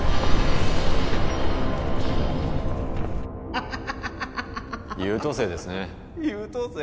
あハハハハッ優等生ですね優等生？